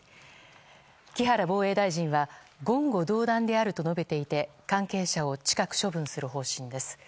木原防衛大臣は言語道断であると述べていて関係者を近く処分する方針です。